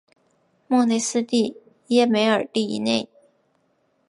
莫内斯蒂耶梅尔利内。